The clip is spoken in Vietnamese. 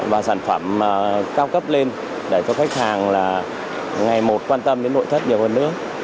và sản phẩm cao cấp lên để cho khách hàng là ngày một quan tâm đến nội thất nhiều hơn nữa